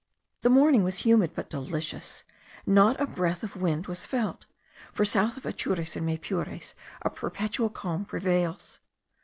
The morning was humid but delicious; not a breath of wind was felt; for south of Atures and Maypures a perpetual calm prevails.